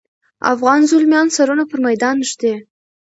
افغاني زلمیان سرونه پر میدان ږدي.